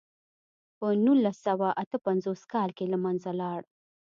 په نولس سوه اته پنځوس کال کې له منځه لاړ.